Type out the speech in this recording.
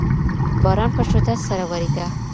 باران په شدت سره ورېده.